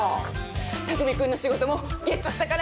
匠君の仕事もゲットしたからね！